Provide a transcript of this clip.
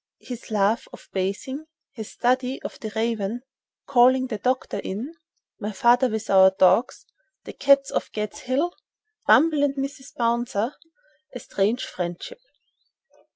—His love of bathing.—His study of the raven.—Calling the doctor in.—My father with our dogs.—The cats of "Gad's Hill."—"Bumble" and "Mrs. Bouncer."—A strange friendship.